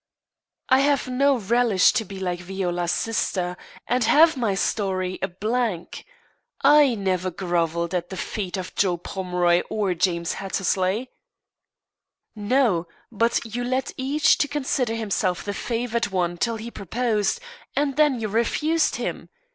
"I have no relish to be like Viola's sister, and have my story a blank. I never grovelled at the feet of Joe Pomeroy or James Hattersley." "No, but you led each to consider himself the favoured one till he proposed, and then you refused him.